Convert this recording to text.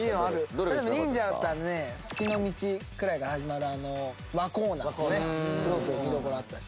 例えば忍者だったらね『ツキノミチ』くらいから始まる和コーナーもねすごく見どころあったし。